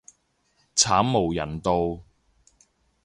慘無人道